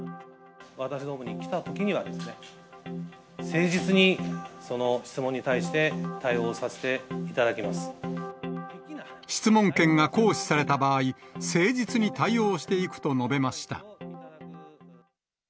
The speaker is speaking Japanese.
私どもにきたときには、誠実にその質問に対して対応をさ質問権が行使された場合、誠実に対応していくと述べました。